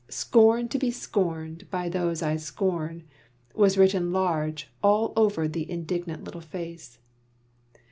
"Scorn to be scorned by those I scorn" was written large all over the indignant little face.